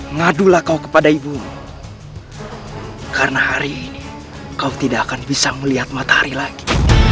ngadulah kau kepada ibumu karena hari ini kau tidak akan bisa melihat matahari lagi